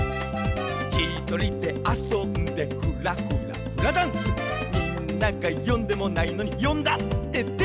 「ひとりであそんでふらふらフラダンス」「みんながよんでもないのによんだってでてくるよ」